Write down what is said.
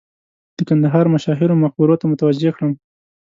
د کندهار مشاهیرو مقبرو ته متوجه کړم.